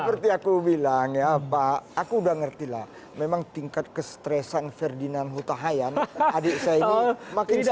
seperti aku bilang ya pak aku udah ngerti lah memang tingkat kestresan ferdinand hutahayan adik saya ini makin jauh